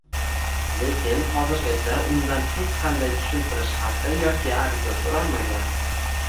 lekin hozirgacha undan hech qanday tushuntirish xati yoki ariza so'ralmagan.